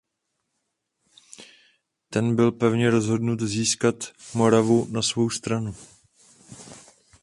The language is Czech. Ten byl pevně rozhodnut získat Moravu na svou stranu.